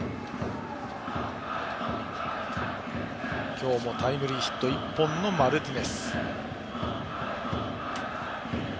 今日もタイムリーヒット１本のマルティネス。